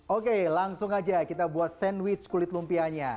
oke langsung aja kita buat sandwich kulit lumpianya